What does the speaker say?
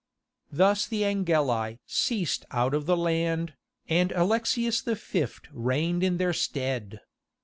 Thus the Angeli ceased out of the land, and Alexius V. reigned in their stead.